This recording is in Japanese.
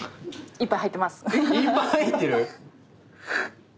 いっぱい入ってる⁉